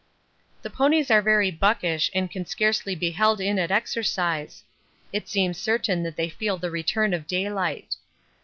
The ponies are very buckish and can scarcely be held in at exercise; it seems certain that they feel the return of daylight.